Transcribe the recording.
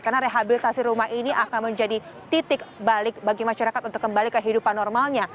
karena rehabilitasi rumah ini akan menjadi titik balik bagi masyarakat untuk kembali kehidupan normalnya